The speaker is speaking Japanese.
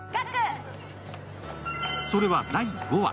それは第５話。